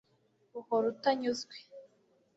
Uhora utanyuzwe